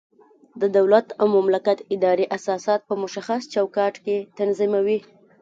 د دولت او مملکت ادارې اساسات په مشخص چوکاټ کې تنظیموي.